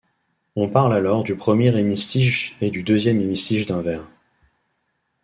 On parle alors du premier hémistiche et du deuxième hémistiche d'un vers.